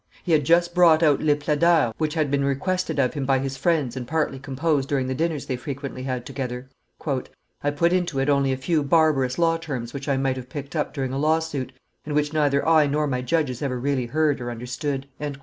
He had just brought out Les Plaideurs, which had been requested of him by his friends and partly composed during the dinners they frequently had together. "I put into it only a few barbarous law terms which I might have picked up during a lawsuit and which neither I nor my judges ever really heard or understood."